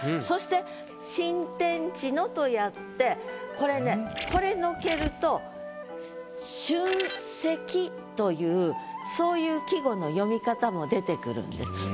そして「新天地の」とやってこれねこれのけると「春夕」というそういう季語の読み方も出てくるんです。